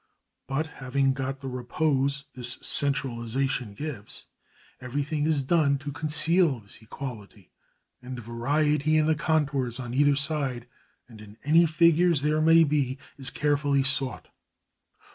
But having got the repose this centralisation gives, everything is done to conceal this equality, and variety in the contours on either side, and in any figures there may be, is carefully sought.